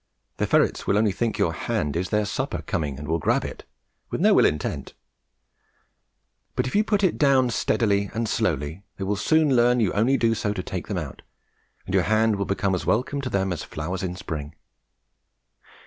The ferrets will only think your hand is their supper coming and will grab it, with no ill intent; but if you put it down steadily and slowly, they will soon learn you only do so to take them out, and your hand will become as welcome to them as flowers in spring.